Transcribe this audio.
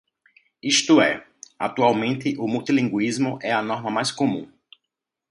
Isto é, atualmente o multilinguismo é a norma mais comum.